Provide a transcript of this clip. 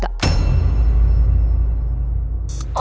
dia udah selesai